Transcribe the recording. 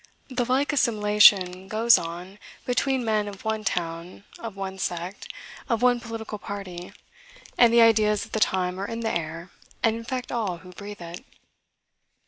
The like assimilation goes on between men of one town, of one sect, of one political party; and the ideas of the time are in the air, and infect all who breathe it.